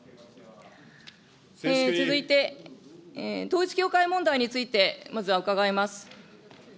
続いて、統一教会問題についてまずは伺います。